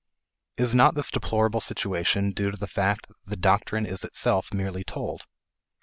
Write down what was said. Is not this deplorable situation due to the fact that the doctrine is itself merely told?